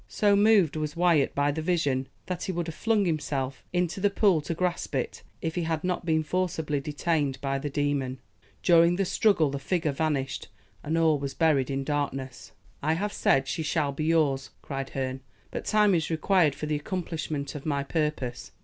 So moved was Wyat by the vision, that he would have flung himself into the pool to grasp it if he had not been forcibly detained by the demon. During the struggle the figure vanished, and all was buried in darkness. "I have said she shall be yours," cried Herne; "but time is required for the accomplishment of my purpose.